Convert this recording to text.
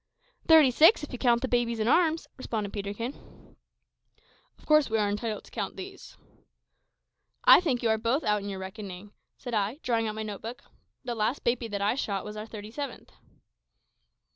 "Thirty six, if you count the babies in arms," responded Peterkin. "Of course we are entitled to count these." "I think you are both out in your reckoning," said I, drawing out my note book; "the last baby that I shot was our thirty seventh."